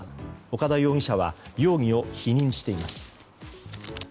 岡田容疑者は容疑を否認しています。